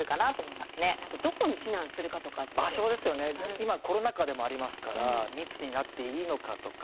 今コロナ禍でもありますから密になっていいのかとか。